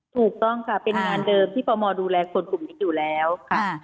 ถูกต้องค่ะเป็นงานเดิมที่ปมดูแลคนกลุ่มนี้อยู่แล้วค่ะ